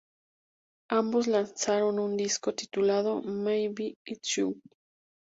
Ambos lanzaron un disco titulado "May Be It's You".